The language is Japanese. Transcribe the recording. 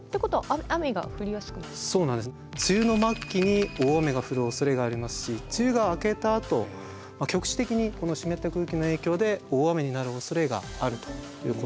梅雨の末期に大雨が降るおそれがありますし梅雨が明けたあと局地的にこの湿った空気の影響で大雨になるおそれがあるということなんですね。